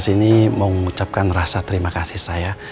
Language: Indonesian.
sini cus pasang cus kuenya